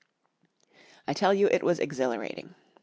I tell you, it was exhilarating.